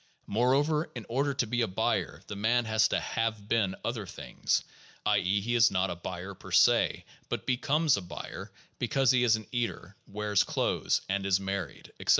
More over, in order to be a buyer the man has to have been other things ; i. e., he is not a buyer per se, but becomes a buyer because he is an eater, wears clothes, is married, etc.